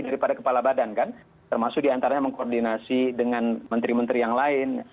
daripada kepala badan kan termasuk diantaranya mengkoordinasi dengan menteri menteri yang lain